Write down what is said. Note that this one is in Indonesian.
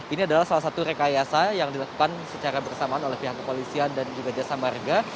ini adalah salah satu rekayasa yang dilakukan secara bersamaan oleh pihak kepolisian dan juga jasa marga